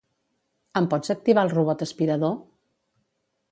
Em pots activar el robot aspirador?